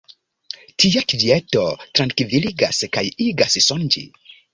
Tia kvieto trankviligas kaj igas sonĝi.